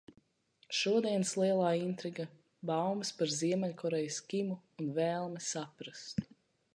Šodienas lielā intriga – baumas par Ziemeļkorejas Kimu un vēlme saprast.